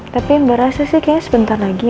tapi mbak rasa sih kayaknya sebentar lagi